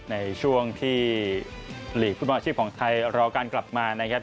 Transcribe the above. ในช่วงที่หลีกฟุตบอลอาชีพของไทยรอการกลับมานะครับ